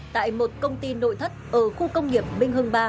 tại một công ty nội thất ở khu công nghiệp minh hưng ba